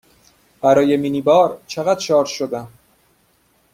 برای مینی بار چقدر شارژ شدم؟